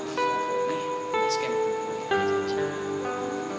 sampai jumpa lagi